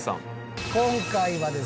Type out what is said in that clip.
今回はですね